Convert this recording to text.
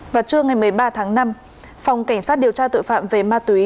vào trưa ngày một mươi ba tháng năm phòng cảnh sát điều tra tội phạm về ma túy